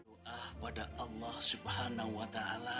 doa pada allah swt